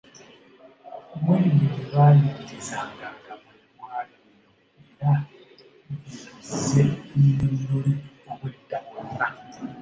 Mu ebyo bye baayigirizanga nga mwe muli bino era bye tuzze tunnyonnyola obwedda bwonna